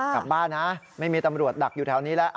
กลับบ้านนะไม่มีตำรวจดักอยู่แถวนี้แล้ว